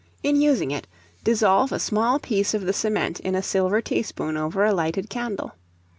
In using it, dissolve a small piece of the cement in a silver teaspoon over a lighted candle.